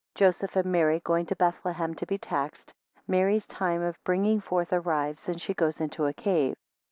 5 Joseph and Mary going to Bethlehem to be taxed, Mary's time of bringing forth arrives, and she goes into a cave.